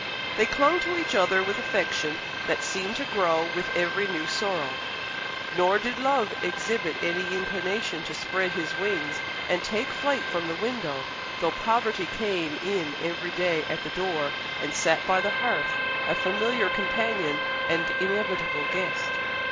They clung to each other with affection that seemed to grow with every new sorrow; nor did love exhibit any inclination to spread his wings and take flight from the window, though poverty came in every day at the door, and sat by the hearth, a familiar companion and inevitable guest.